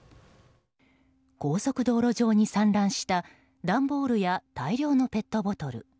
高速道路上に散乱した段ボールや大量のペットボトル。